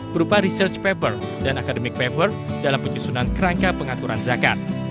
berupa research paper dan akademic paper dalam penyusunan kerangka pengaturan zakat